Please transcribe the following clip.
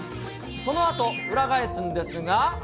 そのあと、裏返すんですが。